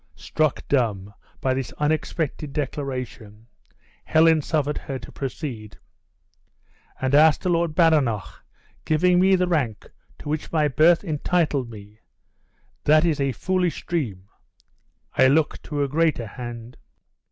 Struck dumb by this unexpected declaration, Helen suffered her to proceed. "And as to Lord Badenoch giving me the rank to which my birth entitled me, that is a foolish dream I look to a greater hand."